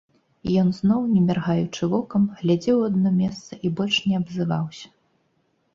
Ён зноў, не міргаючы вокам, глядзеў у адно месца і больш не абзываўся.